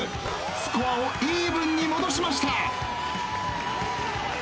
スコアをイーブンに戻しました。